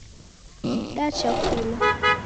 Dacha kula